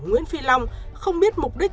nguyễn phi long không biết mục đích